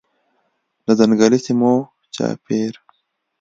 د ځنګلي سیمو چاپیر